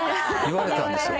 言われたんですよ。